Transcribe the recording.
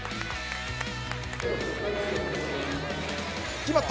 決まった！